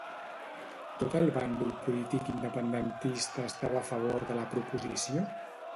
Tot el bàndol polític independentista estava a favor de la proposició?